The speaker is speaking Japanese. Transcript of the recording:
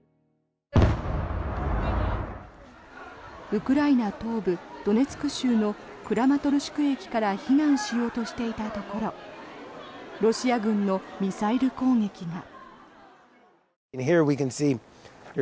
ウクライナ東部ドネツク州のクラマトルシク駅から避難しようとしていたところロシア軍のミサイル攻撃が。